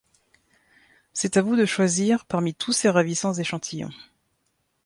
C’est à vous de choisir parmi tous ces ravissants échantillons.